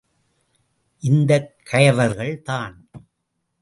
இந்தக் கயவர்கள் தான்!